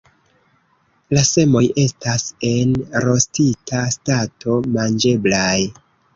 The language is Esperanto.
La semoj estas en rostita stato manĝeblaj.